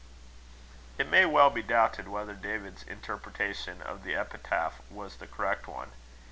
It may well be doubted whether David's interpretation of the epitaph was the correct one.